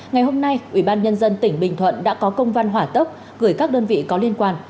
ngày hôm nay ủy ban nhân dân tỉnh bình thuận đã có công văn hỏa tốc gửi các đơn vị có liên quan